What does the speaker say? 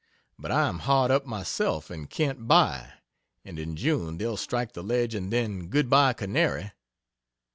But I am hard up myself, and can't buy and in June they'll strike the ledge and then "good bye canary."